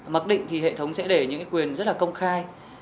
mặc định thì hệ thống sẽ để những quyền rất là công khai